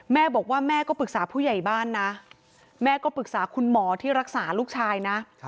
แม่บอกว่าแม่ก็ปรึกษาผู้ใหญ่บ้านนะแม่ก็ปรึกษาคุณหมอที่รักษาลูกชายนะ